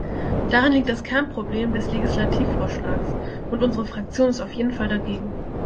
Darin liegt das Kernproblem des Legislativvorschlags, und unsere Fraktion ist auf jeden Fall dagegen.